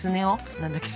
何だっけ。